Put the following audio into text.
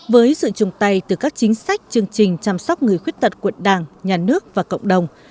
với sự chung tay từ các chính sách chương trình chăm sóc người khuyết tật quận đảng nhà nước và cộng đồng